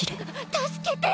助けて。